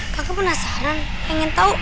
kakak penasaran pengen tahu